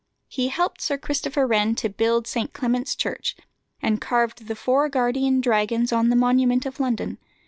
He helped Sir Christopher Wren to build St. Clement's church, and carved the four guardian dragons on the Monument of London.